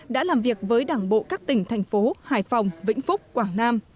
đã làm việc với đảng bộ các tỉnh thành phố hải phòng vĩnh phúc quảng nam